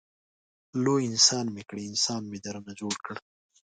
لوی انسان مې کړې انسان مې درنه جوړ کړ.